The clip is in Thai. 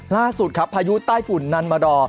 ล่าสุดครับพายุใต้ฝุ่นนันมาดอร์